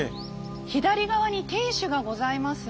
左側に天守がございますが。